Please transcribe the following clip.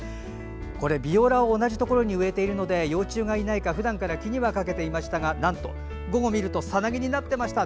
これ、ビオラを同じところに植えているので幼虫がいないか、ふだんから気にはかけていましたがなんと、午後見るとさなぎになってました。